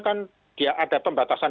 kan dia ada pembahasan